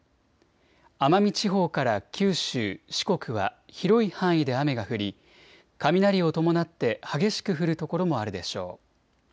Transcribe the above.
奄美地方から九州、四国は広い範囲で雨が降り雷を伴って激しく降る所もあるでしょう。